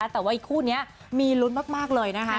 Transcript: แต่ว่าอีกคู่นี้มีลุ้นมากเลยนะคะ